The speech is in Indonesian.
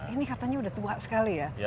ini katanya udah tua sekali ya